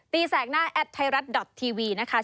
แสกหน้าแอดไทยรัฐดอททีวีนะคะ